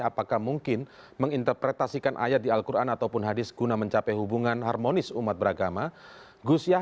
retno juga menyampaikan bahwa dia akan menjelaskan keberpihakan indonesia terhadap palestina